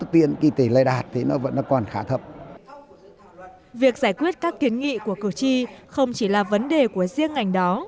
việc giải quyết các kiến nghị của cử tri không chỉ là vấn đề của riêng ngành đó